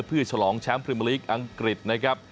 เพื่อฉลองแชมป์พรีเมอร์ลีกอังกฤษนะครับ